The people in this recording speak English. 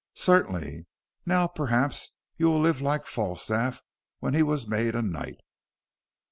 "Certainly. Now, perhaps, you will live like Falstaff when he was made a knight."